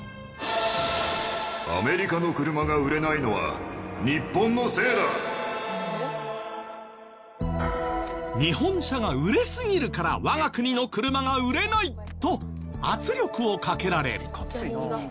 アメリカの日本車が売れすぎるから我が国の車が売れない！と圧力をかけられ。